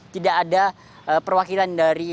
tidak ada perwakilan dari